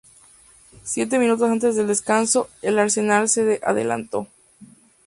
Siete minutos antes del descanso, el Arsenal se adelantó.